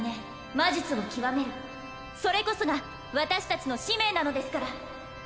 魔術を極めるそれこそが私達の使命なのですから・